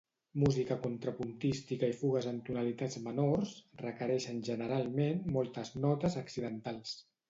Música contrapuntística i fugues en tonalitats menors requereixen generalment moltes notes accidentals.